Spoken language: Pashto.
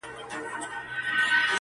• دا کيسه د فکر سيوری دی تل,